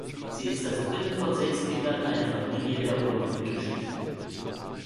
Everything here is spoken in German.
Sie ist das dritte von sechs Kindern einer Familie der oberen Mittelschicht.